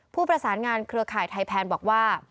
ผู้ประสานงานเครือข่ายไทยแพนบอกว่า